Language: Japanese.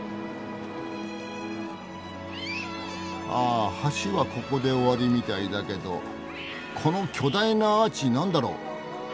あ橋はここで終わりみたいだけどこの巨大なアーチ何だろう？